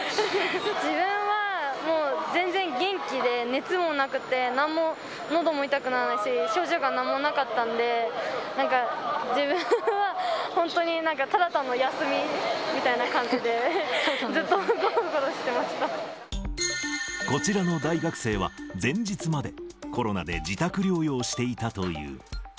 自分はもう、全然元気で、熱もなくて、なんものども痛くならないし、症状がなんもなかったんで、なんか、自分は本当にただ単の休みみたいな感じで、ずっとごろごろしてまこちらの大学生は、前日までコロナで自宅療養していたという。